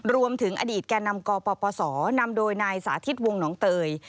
รวมถึงอดีตแก่นำกปศนำโดยนายสาธิตวงหนองเตย